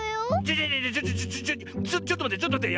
ちょちょちょっとまってちょっとまって。